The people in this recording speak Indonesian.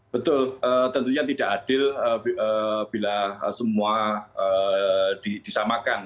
betul tentunya tidak adil bila semua disamakan